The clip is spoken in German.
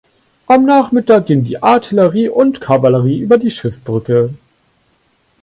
Am Nachmittag ging die Artillerie und Kavallerie über die Schiffbrücke.